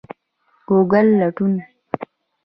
ګوګل لټون